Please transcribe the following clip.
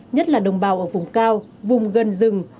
nhất là đồng bào ở vùng cao vùng gần rừng